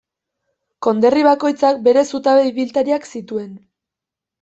Konderri bakoitzak bere zutabe ibiltariak zituen.